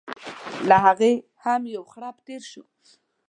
له هغې هم یو خرپ تېر کړي.